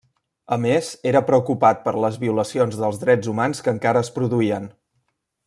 A més era preocupat per les violacions dels drets humans que encara es produïen.